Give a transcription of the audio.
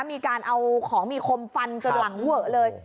มีการเอาของมีคมฟันจนหลังเวอะเลย